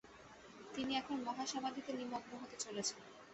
তিনি এখন মহাসমাধিতে নিমগ্ন হতে চলেছেন।